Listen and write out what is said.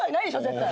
絶対。